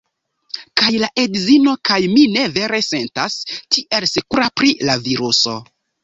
Kaj la edzino kaj mi ne vere sentas tiel sekura pri la viruso